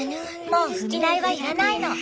もう踏み台は要らないの。